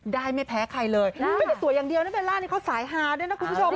ไม่แพ้ใครเลยไม่ได้สวยอย่างเดียวนะเบลล่านี่เขาสายฮาด้วยนะคุณผู้ชม